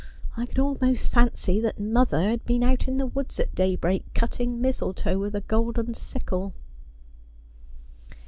I could almost fancy that mother had been out in the woods at daybreak cutting mistletoe with a golden sickle.'